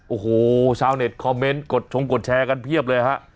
โอ้โหชาวเน็ตคอมเมนต์กดชงกดแชร์กันเพียบเลยฮะ